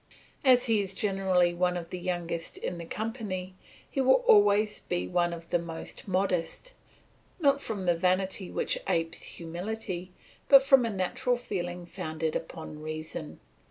As he is generally one of the youngest in the company, he will always be one of the most modest, not from the vanity which apes humility, but from a natural feeling founded upon reason.